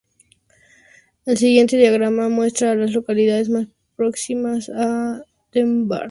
El siguiente diagrama muestra a las localidades más próximas a Dumbarton.